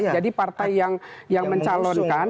jadi partai yang mencalonkan